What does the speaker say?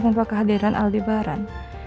tanpa kehadiran aldebaran